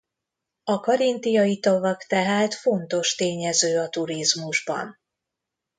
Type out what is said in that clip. A karintiai tavak tehát fontos tényező a turizmusban.